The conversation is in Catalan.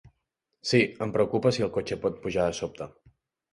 Sí, em preocupa si el cotxe pot pujar de sobte.